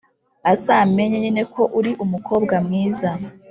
azamenye nyine ko uri umukobwa mwiza.